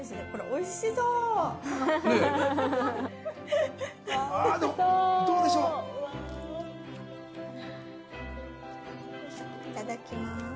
いただきます